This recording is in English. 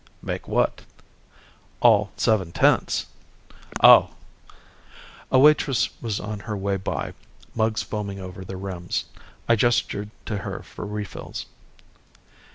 "Make what?" "All seven tents." "Oh." A waitress was on her way by, mugs foaming over their rims. I gestured to her for refills.